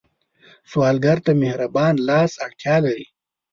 سوالګر ته د مهربان لاس اړتیا لري